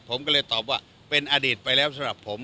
ผมก็เลยตอบว่าเป็นอดีตไปแล้วสำหรับผม